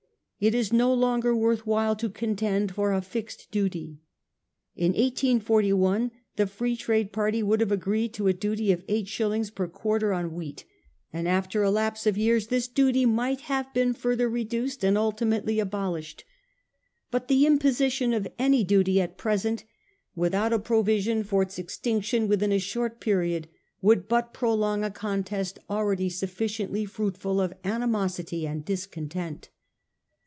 ... It is no longer worth while to Contend for a fixed duty. In 1841 the Free Trade party would have agreed to a duty of 85 . per quarter on wheat, and after a lapse of years this duty might have been further reduced, and ultimately abolished. But the imposition of any duty at present, without a 1841 6 . THE RUSSELL LETTER, 365 provision for its extinction within a short period, would hut prolong a contest already sufficiently fruit ful of animosity and discontent.